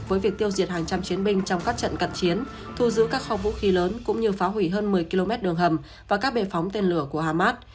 với việc tiêu diệt hàng trăm chiến binh trong các trận cặt chiến thu giữ các kho vũ khí lớn cũng như phá hủy hơn một mươi km đường hầm và các bề phóng tên lửa của hamas